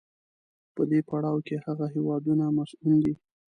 په دې پړاو کې هغه هېوادونه مصون دي.